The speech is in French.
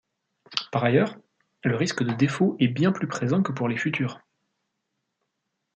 Par ailleurs le risque de défaut est bien plus présent que pour les futures.